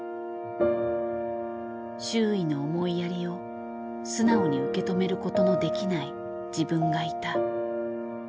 周囲の思いやりを素直に受け止めることのできない自分がいた。